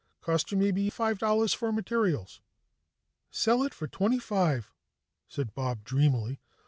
Cost you maybe five dollars for materials." "Sell it for twenty five," said Bob dreamily.